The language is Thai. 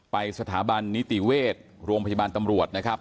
ไปสถาบันนิติเวชโรงพยาบาลตำรวจนะครับ